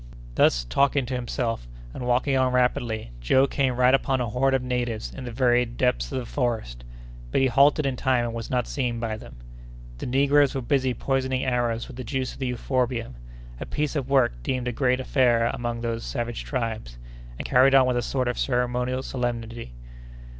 Thus talking to himself and walking on rapidly, Joe came right upon a horde of natives in the very depths of the forest, but he halted in time and was not seen by them. The negroes were busy poisoning arrows with the juice of the euphorbium—a piece of work deemed a great affair among these savage tribes, and carried on with a sort of ceremonial solemnity.